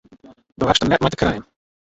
Do hast der neat mei te krijen!